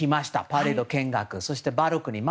パレード見学そしてバルコニー。